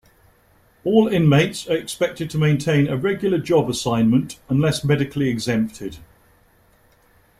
All inmates are expected to maintain a regular job assignment, unless medically exempted.